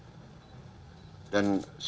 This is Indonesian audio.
yang diperjuangkan demokrasi